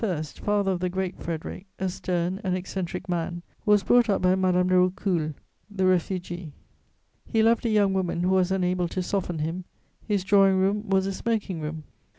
, father of the great Frederic, a stern and eccentric man, was brought up by Madame de Rocoules, the refugee: he loved a young woman who was unable to soften him; his drawing room was a smoking room.